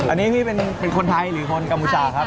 อันนี้พี่เป็นคนไทยหรือคนกัมพูชาครับ